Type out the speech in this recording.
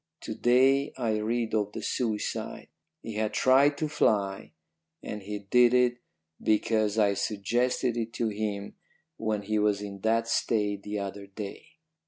"To day I read of the suicide. He had tried to fly and he did it because I suggested it to him when he was in that state the other day.